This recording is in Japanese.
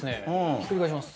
ひっくり返します。